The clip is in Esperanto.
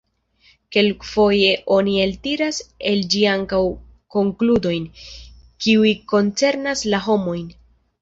Kelkfoje oni eltiras el ĝi ankaŭ konkludojn, kiuj koncernas la homojn.